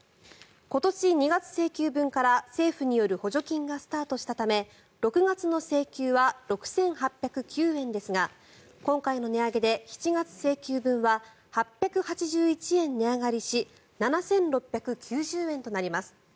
今年２月請求分から、政府による補助金がスタートしたため６月の請求は６８０９円ですが今回の値上げで７月請求分は８８１円値上がりし７６９０円となります。